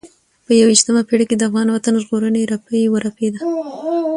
په یوه یشتمه پېړۍ کې د افغان وطن ژغورنې رپی ورپېده.